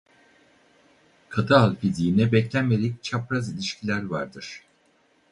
Katı hal fiziğine beklenmedik çapraz ilişkiler vardır.